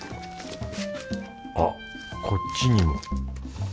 あっこっちにも。